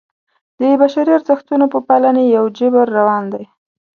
د بشري ارزښتونو په پالنې یو جبر روان دی.